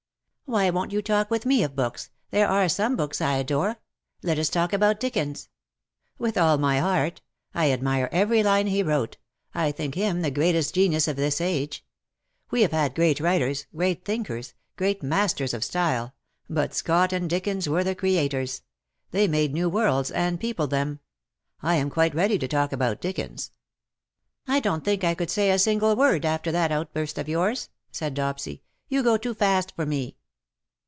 ^'*" Why won't you talk with me of books. There are some books I adore. Let us talk about Dickens."^ "With all my heart. I admire every line he wrote — I think him the greatest genius of this age. We have had great writers — great thinkers — great masters of style — but Scott and Dickens were the Creators — they made new worlds and peopled them. I am quite ready to talk about Dickens.'' " I don't think I could say a single word after that outburst of yours/' said Dopsy; "you go too fast for me."